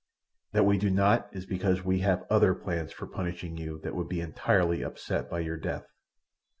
That we do not is because we have other plans for punishing you that would be entirely upset by your death."